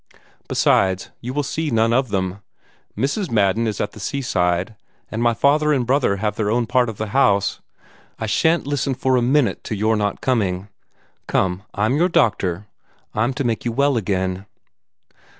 Besides, you will see none of them. Mrs. Madden is at the seaside, and my father and brother have their own part of the house. I shan't listen for a minute to your not coming. Come, I'm your doctor. I'm to make you well again."